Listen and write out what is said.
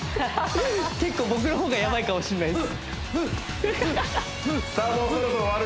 結構僕の方がやばいかもしれないですさあ